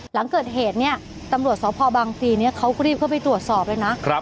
หลังเกิดเหตุเนี่ยตำรวจสพบางพลีเขาก็รีบเข้าไปตรวจสอบเลยนะ